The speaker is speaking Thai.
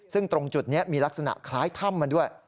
ซึ่งตรงจุดนี้มีลักษณะคล้ายถ้ำมันด้วย